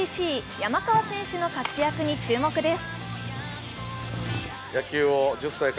山川選手の活躍に注目です。